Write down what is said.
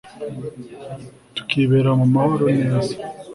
tukibera mumahoro neza